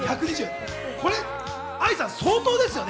愛さん、相当ですよね。